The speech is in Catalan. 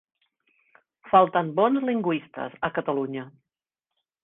Falten bons lingüistes a Catalunya.